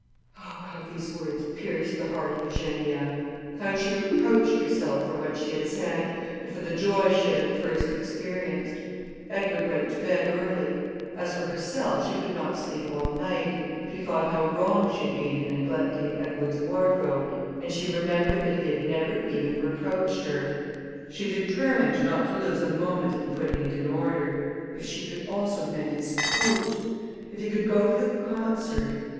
Oh, how these words pierced the heart of Eugenia! How she reproached herself for what she had said, and for the joy she had at first experienced. Edward went to bed early. As for herself, she could not sleep all night; she thought how wrong she had been in neglecting Edward's wardrobe, and she remembered that he had never even reproached her. She determined not to lose a moment in putting it in order. If she could also mend his coat! If he could go to the concert!